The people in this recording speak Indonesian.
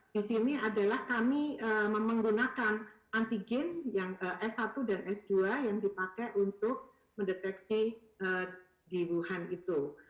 di sini adalah kami menggunakan antigen yang s satu dan s dua yang dipakai untuk mendeteksi di wuhan itu